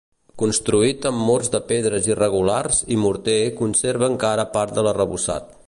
Construït amb murs de pedres irregulars i morter conserva encara part de l'arrebossat.